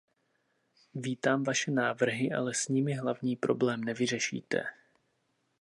Vítám vaše návrhy, ale s nimi hlavní problém nevyřešíte.